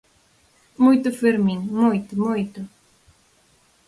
Moito Fermín, moito, moito.